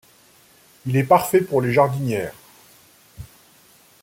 Il est parfait pour les jardinières.